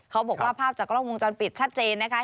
เขาบอกว่าภาพจากกล้องมวงจรปิดชัดเจนนะคะ